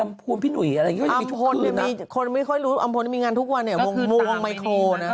อัมพลไม่ค่อยรู้อัมพลมีงานทุกวันมุมวงไมโครนะ